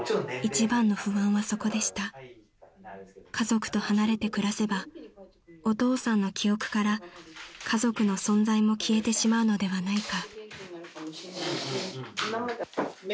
［家族と離れて暮らせばお父さんの記憶から家族の存在も消えてしまうのではないか］